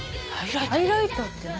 ハイライターって何？